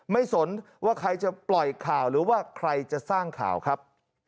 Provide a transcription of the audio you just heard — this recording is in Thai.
สนว่าใครจะปล่อยข่าวหรือว่าใครจะสร้างข่าวครับ